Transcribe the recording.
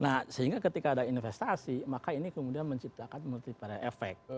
nah sehingga ketika ada investasi maka ini kemudian menciptakan multi para effect